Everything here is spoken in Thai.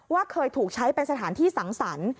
เคยถูกใช้เป็นสถานที่สังสรรค์